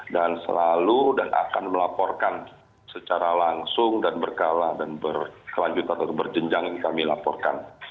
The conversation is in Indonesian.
dan selalu dan akan melaporkan secara langsung dan berkelanjutan atau berjenjang ini kami laporkan